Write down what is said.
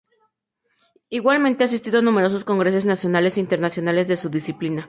Igualmente ha asistido a numerosos congresos nacionales e internacionales de su disciplina.